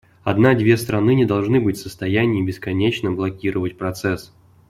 Одна−две страны не должны быть в состоянии бесконечно блокировать процесс".